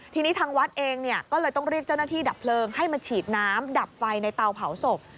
ทีนี้ทางวัดเองเนี่ยก็เลยต้องเรียกเจ้าหน้าที่ดับเพลิงให้มาฉีดน้ำดับไฟในเตาเผาศพ